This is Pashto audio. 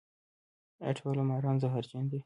ایا ټول ماران زهرجن دي؟